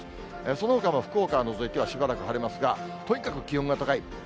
そのほかも福岡を除いてはしばらく晴れますが、とにかく気温が高い。